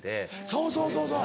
そうそうそうそう。